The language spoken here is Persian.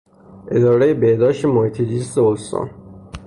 ادارهٔ بهداشت محیط زیست استان